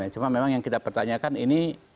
cuma memang yang kita pertanyakan ini